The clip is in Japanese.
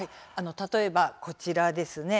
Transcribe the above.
例えばこちらですね。